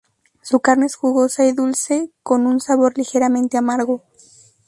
Su carne es jugosa y dulce con un sabor ligeramente amargo.